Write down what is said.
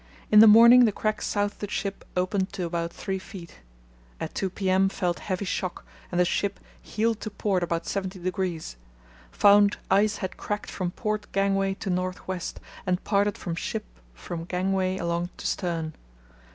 In the morning the crack south of the ship opened to about three feet. At 2 p.m. felt heavy shock and the ship heeled to port about 70°. Found ice had cracked from port gangway to north west, and parted from ship from gangway along to stern.